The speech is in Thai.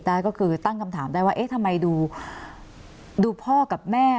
ได้ก็คือตั้งคำถามได้ว่าเอ๊ะทำไมดูพ่อกับแม่